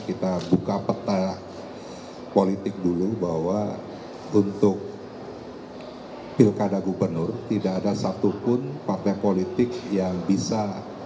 kita buka peta politik dulu bahwa untuk pilkada gubernur tidak ada satupun partai politik yang bisa